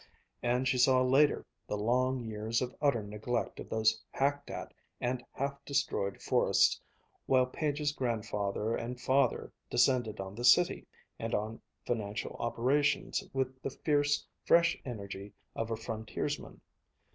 And she saw later, the long years of utter neglect of those hacked at and half destroyed forests while Page's grandfather and father descended on the city and on financial operations with the fierce, fresh energy of frontiersmen.